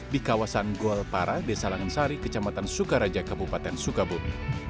di kawasan gualpara desa langensari kecamatan sukaraja kabupaten sukabumi